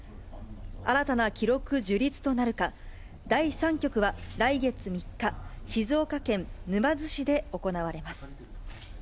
新たな記録樹立となるか、第３局は来月３日、静岡県沼津市で行われます。